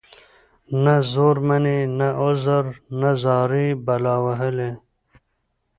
نه زور مــني نه عـذر نـه زارۍ بلا وهـلې.